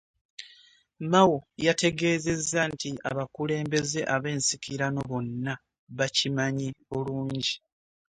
Mao yategeezezza nti abakulembeze ab'ensikirano bonna bakimanyi bulungi